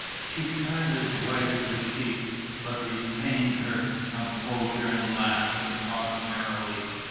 She turned as white as a sheet, but retained her composure and laughed and talked merrily.